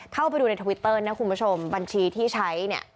เข้าไปดูในทวิตเตอร์นะคุณผู้ชมบัญชีที่ใช้เนี่ย